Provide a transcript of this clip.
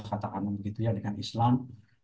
katakan begitu ya dengan islam